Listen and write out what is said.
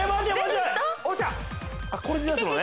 これで出すのね。